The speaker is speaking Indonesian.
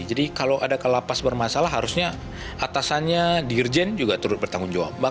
jadi kalau ada kelapas bermasalah harusnya atasannya dirjen juga turut bertanggung jawab